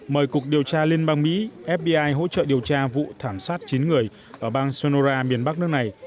mời cục điều tra liên bang mỹ fbi hỗ trợ điều tra vụ thảm sát chín người ở bang sonora miền bắc nước này